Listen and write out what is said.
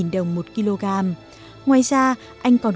chín mươi đồng một kg ngoài ra anh còn